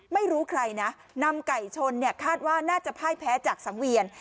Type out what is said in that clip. ไม่รู้ใครนะนำไก่ชนคาดว่าน่าจะพ่ายแพ้จากสังเวียน